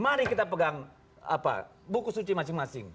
mari kita pegang buku suci masing masing